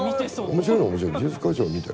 面白いのは面白い。